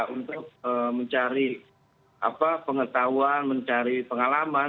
untuk mencari pengetahuan mencari pengalaman